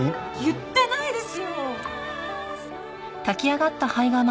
言ってないですよ！